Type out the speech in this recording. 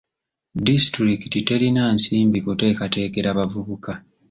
Disitulikiti terina nsimbi kuteekateekera bavubuka.